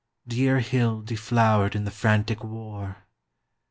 Dear hill deflowered in the frantic war!